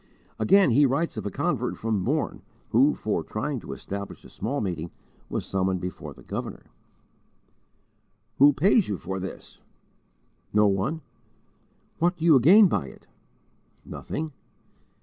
Again he writes of a convert from Borne who, for trying to establish a small meeting, was summoned before the governor. "Who pays you for this?" "No one." "What do you gain by it?" "Nothing."